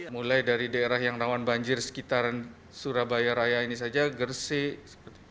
mulai dari daerah yang rawan banjir sekitar surabaya raya ini saja gersik